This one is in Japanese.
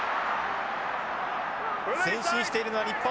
前進しているのは日本。